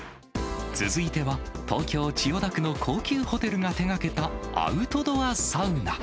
続いては、東京・千代田区の高級ホテルが手がけたアウトドアサウナ。